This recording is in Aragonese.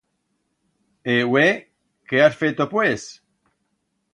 E hue qué has feto pues?